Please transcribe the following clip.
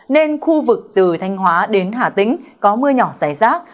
nên khu vực từ thanh hóa đến hà tĩnh có mưa nhỏ rải rác